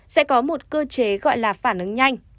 sẽ có một cơ chế gọi là phản ứng nhanh